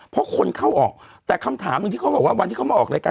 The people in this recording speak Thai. เพราะคนเข้าออกแต่คำถามหนึ่งที่เขาบอกว่าวันที่เขามาออกรายการ